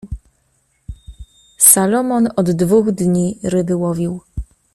"Salomon od dwóch dni ryby łowił."